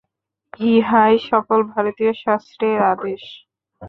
ইহাই সকল ভারতীয় শাস্ত্রের আদেশ।